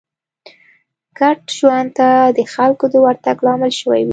ګډ ژوند ته د خلکو د ورتګ لامل شوې وي